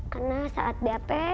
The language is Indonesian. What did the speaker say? karena saat bap